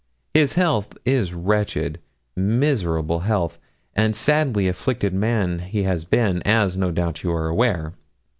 His health is wretched miserable health a sadly afflicted man he has been, as, no doubt, you are aware.